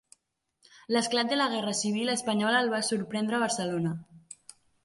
L'esclat de la guerra civil espanyola el va sorprendre a Barcelona.